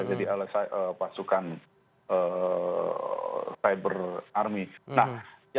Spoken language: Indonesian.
jadi oleh pasukan cyber army